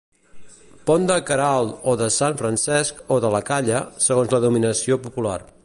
Pont de Queralt o de Sant Francesc o de la Calla, segons la denominació popular.